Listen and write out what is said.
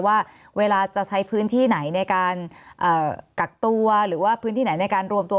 ว่าเวลาจะใช้พื้นที่ไหนในการกักตัวหรือว่าพื้นที่ไหนในการรวมตัว